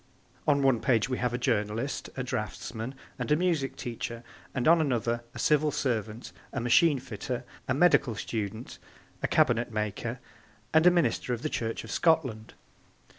On one page we have a journalist, a draughtsman and a music teacher: and on another a Civil servant, a machine fitter, a medical student, a cabinet maker and a minister of the Church of Scotland.